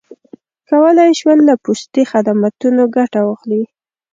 کولای یې شول له پوستي خدمتونو ګټه واخلي.